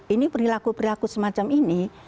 ini perilaku perilaku semacam ini